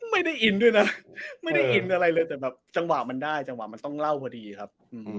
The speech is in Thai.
ไม่ได้อินด้วยนะแต่จังหวะมันได้จังหวะมันต้องเล่าพอดีครับ